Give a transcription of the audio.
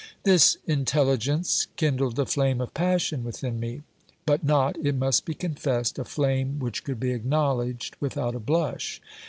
This intelligence kindled the flame of passion within me ; but not, it must be confessed, a flame which could be acknowledged without a blush.